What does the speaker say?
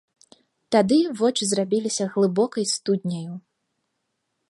Тады вочы зрабіліся глыбокай студняю.